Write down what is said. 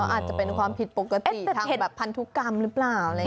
อาจจะเป็นความผิดปกติทางแบบพันธุกรรมหรือเปล่า